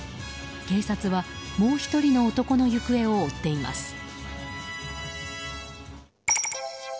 警察はもう１人の男の行方を追っています。